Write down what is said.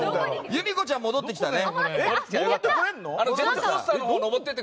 由美子ちゃん戻ってきたね。